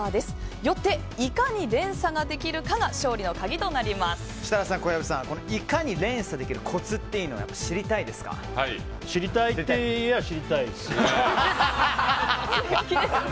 よって、いかに連鎖ができるかが設楽さん、小籔さんいかに連鎖できるかというコツ知りたいですか？